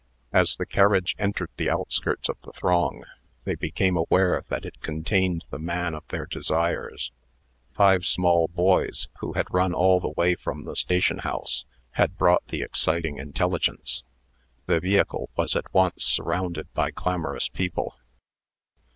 As the carriage entered the outskirts of the throng, they became aware that it contained the man of their desires. Five small boys, who had run all the way from the station house, had brought the exciting intelligence. The vehicle was at once surrounded by clamorous people.